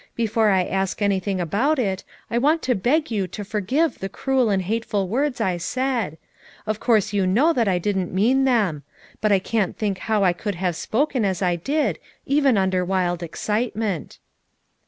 Before I ask anything about FOUE MOTHERS AT CHAUTAUQUA 207 it I want to beg you to forgive the cruel and hateful words I said ; of course you know that I didn't mean them, but I can't think how I could have spoken as I did, even under wild excitement.